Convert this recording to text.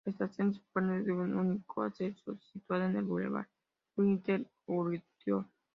La estación dispone de un único acceso situado en el bulevar Vincent Auriol.